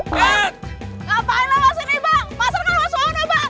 kenapa mau surat anjing si baba